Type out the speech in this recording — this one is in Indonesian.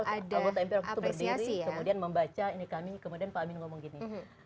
anggota mpr itu berdiri kemudian membaca ini kami kemudian pak amin ngomong gini